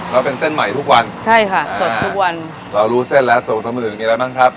แล้วเป็นเส้นใหม่ทุกวันใช่ค่ะสดทุกวันเรารู้เส้นแล้วสูตรทางอื่นมีอะไรบ้างครับ